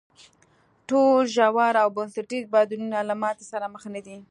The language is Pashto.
ټول ژور او بنسټیز بدلونونه له ماتې سره مخ نه دي.